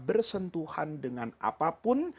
bersentuhan dengan apapun